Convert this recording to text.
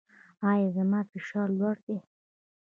ایا زما فشار لوړ دی؟